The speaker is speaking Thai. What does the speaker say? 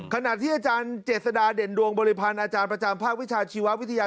ขณะที่อาจารย์เจษฎาเด่นดวงบริพันธ์อาจารย์ประจำภาควิชาชีววิทยา